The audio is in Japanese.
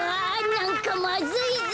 なんかまずいぞ！